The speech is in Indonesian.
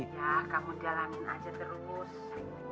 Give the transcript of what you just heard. ya kamu jalanin aja terus